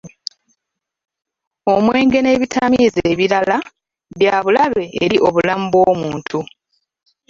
Omwenge n'ebitamiiza ebirala byabulabe eri obulamu bw'omuntu.